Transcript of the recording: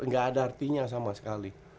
nggak ada artinya sama sekali